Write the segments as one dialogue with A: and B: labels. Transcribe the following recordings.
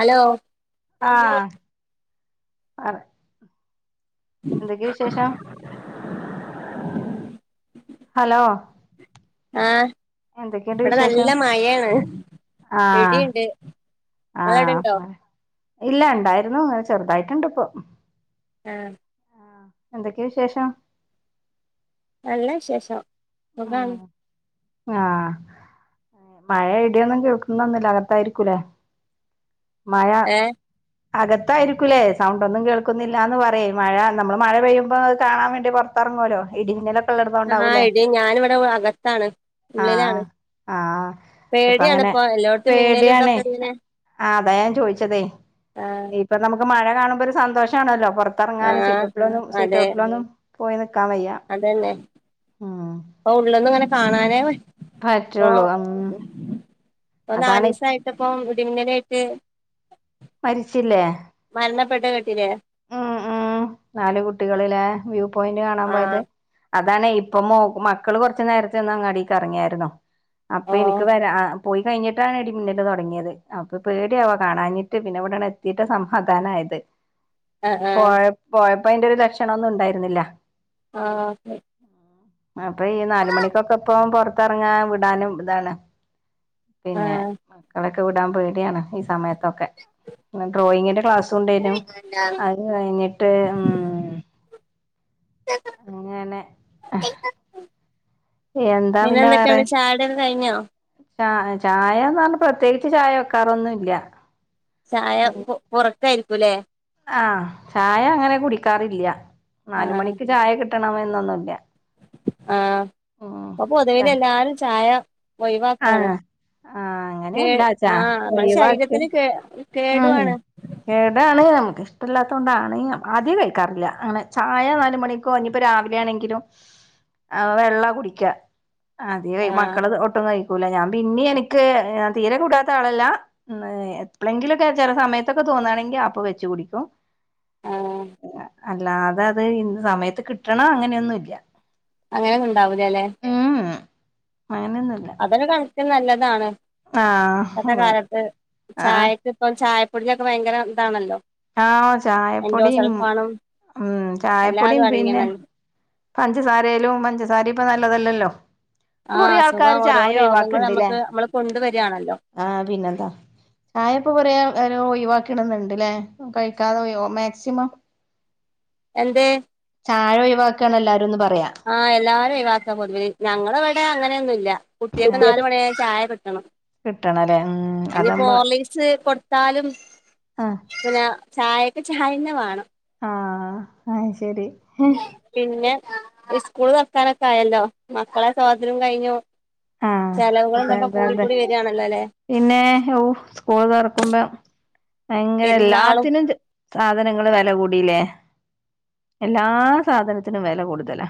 A: Hello
B: അത എന്തൊക്കെയെ, വിശേഷം?
A: [inaudible]
B: ഹലോ.
A: ആഹ്,
B: എന്തൊക്കെയുണ്ട്
A: ഇവിടെ, നല്ല
B: വിശേഷം
A: മഴയാണ്, ഇടിയുണ്ട്. നിങ്ങളവിടെണ്ടോ
B: ആഹ ഇല്ല ഇണ്ടായിരുന്നു അങ്ങനെ ചെറുതായിട്ടുണ്ട് ഇപ്പൊ
A: ആഹ്.
B: ആഹ എന്തൊക്കെയ വിശേഷം
A: നല്ല, വിശേഷം, സുഖാണ്.
B: ആഹ മഴ ഇടൊന്നും കേൾക്കുന്നന്നില്ല അകത്തായിരിക്കൂലേ മയ
A: ഏഹ്
B: അകത്തായിരിക്കൂലേ സൗണ്ട ഒന്നും കേൾക്കുന്നില്ലന്ന് പറയും മഴ നമ്മള് മഴ പെയ്യുമ്പോ അത് കാണാൻ വേണ്ടി പുറത്ത ഇറങ്ങലോ ഇടി നിലൊക്കെള്ള ഇടതോ
A: ആഹ്
B: കൊണ്ടാവൂലേ
A: ഇടി ഞാനിവിടെ അകത്താണ് ഉള്ളിലാണ്
B: ആഹ് ഇപ്പ അങ്ങനെ
A: പേടിയണിപ്പ എല്ലായിടത്തും മിന്നേലും ഇതാക് [unintelligible]
B: ആ അതാ ഞാൻ ചോദിച്ചതേ ഇപ്പൊ നമുക്ക് മഴ കാണുമ്പോൊ ഒരു സന്തോഷണല്ലോ പുറത്തിറങ്ങാനൻ
A: ആഹ്
B: സീറ്റോട്ടിലൊന്നും സീറ്റ
A: അതെ
B: ട്ടിലൊന്നും പോയിനക്കാവ്യ മ്
A: [unintelligible] ഉള്ളന്നും അങ്ങനെ കാണാനേ
B: പറ്റുള്ളൂ മ്
A: അന്ന് നാലീസ ആയിട്ടപ്പം ഇടിമിന്നല ആയിട്ട്
B: മരിച്ചില്ലേ
A: പെട്ട കട്ടിലേ
B: മ്മ് മ് നാല കുട്ടികളല്ലേ വ്യൂ പോയിന്റ് കാണാൻ പോയത്
A: ആഹ്
B: അതാാണ് ഇപ്പോ മക്കൾ കുറച്ചു നേരത്തെ ഒന്ന് അങ്ങാടിക്ക് ഇറങ്ങിയായിുന്നോ അപ്പൊ
A: ഓഹ്
B: എനിക്ക് വരാ പോയി കഴിഞ്ഞിട്ടാണ് ഇടി മുന്നിൽ തുടങ്ങിയത് അപ്പൊ പേടിയവാ കാണാഞ്ഞിട്ട് പിന്നെ ഇവിടയാണ് എത്തിട്ട് സമാധാനമായിരുന്നു
A: ആഹ് ആഹ്
B: പോയപ്പോ അന്റെ ഒരു ലക്ഷണൊന്നും ഉണ്ടായിരുന്നില്ല.
A: ആഹ്
B: അപ്പൊ ഈ നാല്
A: ഓക്കെ
B: മണിക്കൊക്കെ ഇപ്പം പുറത്തിറങ്ങാ വിടാനും ഇതാണ് പിന്നെ
A: ആഹ്
B: മക്കളൊക്കെ വിടാൻ [unintelligible] ഡിയാണ് ഈ സമയത്തൊക്കെ ഡ്രോയിങ്ങിന്റെ ക്ലാസ് കൊണ്ട വരും അത് കഴിഞ്ഞിട്ട്മ്മ് അങ്ങനെ ഏഹെ എന്താ പിന്നെ വേറെ
A: എന്തൊക്കെയാണ് ചായുടിയൊക്കെ കഴിഞ്ഞോ
B: ച ചായന്ന് പറഞ്ഞ പ്രത്യേകിച്ച് ചായ വെക്കാറൊന്നുംല്ല
A: ചായ പുറ പുറത്തായിരിക്കും ലേ
B: ആ ചായ അങ്ങനെ കുടിക്കാറില്ല നാലുമണിക്ക് ചായ കിട്ടണം എന്നൊന്നുല്ല
A: ആ അപ്പൊ പൊതുവിൽ എല്ലാരും ചായ ഒഴിവാക്കാണ്
B: ആ
A: കേ
B: അങ്ങനെയല്ലാച്ചാ
A: ആഹ് നമ്മളെ
B: ഒഴവാക്ക്
A: ശരീരത്തിന് കേ
B: മ്
A: കേടുവാണ്
B: കേടാണ് നമുക്ക് ല്ലാത്ത കൊണ്ടാണ് ആദ്യം കഴിക്കാറില്ല അങ്ങനെ ചായ നാല് മണിക്കോ എത്തിഞ്ഞിപ്പം രാവിലെ ആണെങ്കിലും ആ വെള്ള കുടിക്ക അത
A: ആഹ്
B: മക്കള് [unintelligible] [unintelligible] ഞാൻ പിന്നെ എനിക്ക് തീരെ കൂടാത്ത ആളല്ല എപ്പലെങ്കിലൊക്കെ ചെല സമയത്തൊക്കെ തോന്നാണെങ്കിൽ അപ്പൊ വെച്ചു കുടിക്കും
A: ആഹ്
B: അല്ലാതെ അത് ഇ സമയത്ത് കിട്ടണം അങ്ങനെയൊന്നുംല്ല
A: അങ്ങനെയൊന്നും ഉണ്ടാവൂലല്ലെ
B: മ് അങ്ങനൊന്നുംല്ല
A: കണക്കിന് നല്ലതാണ്
B: ആ അതെ ആഹ്
A: ചായക്ക ഇപ്പം ചായപ്പൊടിലൊക്കെ ഭയങ്കര ഇതാണല്ലോ
B: ആ
A: എൻഡോ
B: ചായപ്പൊടിയും
A: സൾഫാണും
B: മ് ചായപ്പൊടിയും
A: എല്ലാതും
B: പിന്നെ
A: അടങ്ങിയണല്ലോ
B: പഞ്ചസാരയിലും പഞ്ചസാര ഇപ്പ നല്ലതല്ലല്ലോ
A: ആഹ്
B: കൊറേ
A: അസുഖം
B: ആൾക്കാാര്
A: ഓരോ
B: ചായ
A: രോഗങ്ങൾ
B: ഒഴിവാക്കണ്ടല്ലേ
A: നമുക്ക് നമ്മള് കൊണ്ടുവരിയാണല്ലോ
B: ആ പിന്നെന്താ ചായപ്പൊ കുറയാ ഒരു ഒഴിവാക്കണന്നുണ്ട്ല്ലേ കഴിക്കാതെ [unintelligible] മാക്സിമം
A: എന്തേ
B: ചായോയിവാക്കാന് എല്ലാരുംന്ന് പറഞ്ഞ
A: ആ എല്ലാരും ഒഴിവാക്ക പൊതുവിൽ ഞങ്ങളവടെ അങ്ങനെയൊന്നും ഇല്ല കുട്ട്യേക്ക് നാല്
B: ഏഹ്
A: മണി ആയ ചായ കിട്ടണം
B: കിട്ടണല്ലേ ഉം അത്
A: [unintelligible]
B: നമ്മള്
A: ഹോർലിക്സ് കൊടുത്താലും
B: ആഹ്
A: [unintelligible] ചായെന്ന വാണം
B: ആ അയ് ശരി
A: പിന്നെ സ്കൂള് തുറക്കനൊക്കെ ആയല്ലോ മക്കളെ സ്വാതന്ത്രം കഴിഞ്ഞു
B: ആ
A: ചെലവുകൾ
B: അതെ
A: ഇതൊക്കെ
B: അതെ
A: കൂടി
B: അതെ
A: കൂടി വരികയാണല്ലോ അല്ലെ
B: പിന്നെ ഹൗ സ്കൂൾ തുറക്കുമ്പോ [unintelligible]
A: പെരുന്നാളും
B: എല്ലാത്തിനും സാധനങ്ങള് വില കൂടിലേ എല്ലാ സാധനത്തിനും വെല കൂടുതലാ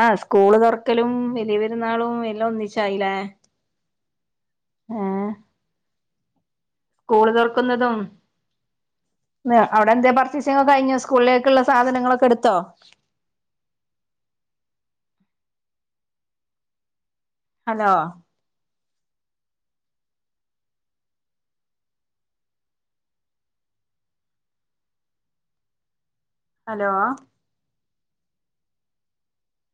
B: ആഹ് സ്കൂള് തുറക്കലും വലിയ പെ.... പെരുന്നാളും എല്ലാം ഒന്നിച്ചായിലേ? സ്കൂള് തൊറക്കുന്നതും അവിടെ എന്തേ പർച്ചേസിങ്ങൊക്കെ കയിഞ്ഞോ സ്കൂളിലേക്കുള്ള സാധനങ്ങളൊക്കെ എടുത്തോ? [inaudible] Hello hello